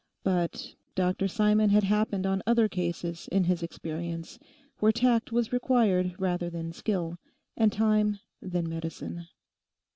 But Dr Simon had happened on other cases in his experience where tact was required rather than skill, and time than medicine.